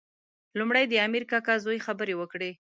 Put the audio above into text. لومړی د امیر کاکا زوی خبرې وکړې.